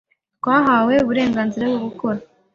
twahawe uburenganzira bwo gukora